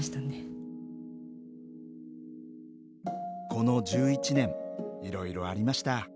この１１年いろいろありました。